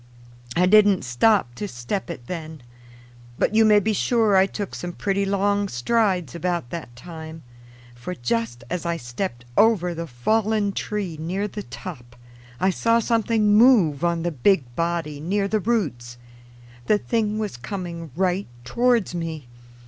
I didn't stop to step it then. But you may be sure I took some pretty long strides about that time; for just as I stepped over the fallen tree near the top, I saw something move on the big body near the roots. The thing was coming right towards me.